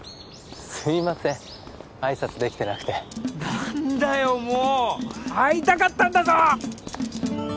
すいません挨拶できてなくて何だよもう会いたかったんだぞ！